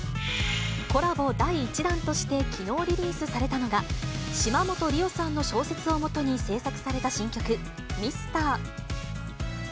コラボ第１弾として、きのうリリースされたのが、島本理生さんの小説を基に制作された新曲、ミスター。